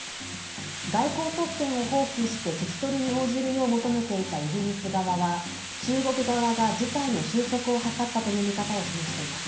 外交特権を放棄して聞き取りに応じるよう求めていたイギリス側は中国側が事態の収束を図ったという見方を示しています。